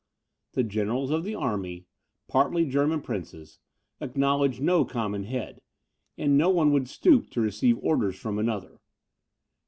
The generals of the army, partly German princes, acknowledged no common head, and no one would stoop to receive orders from another.